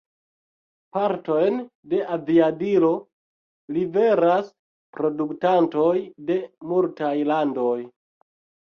Partojn de aviadilo liveras produktantoj de multaj landoj.